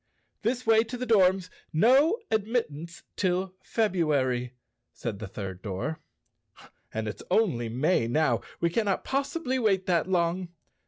"This way to the Dorms. No admittance till Febru¬ ary," said the third door. "And it's only May now. We cannot possibly wait that long."